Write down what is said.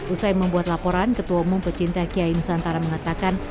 usai membuat laporan ketua umum pecinta kiai nusantara mengatakan